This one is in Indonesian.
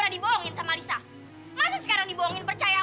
di manakah engkau berada